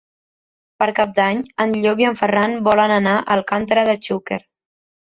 Per Cap d'Any en Llop i en Ferran volen anar a Alcàntera de Xúquer.